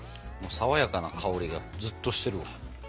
爽やかな香りがずっとしてる。